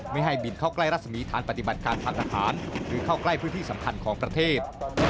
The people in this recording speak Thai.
ไม่ให้บินเข้าใกล้รัศมีฐานปฏิบัติการทางทหารหรือเข้าใกล้พื้นที่สำคัญของประเทศ